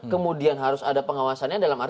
kemudian harus ada pengawasannya adalah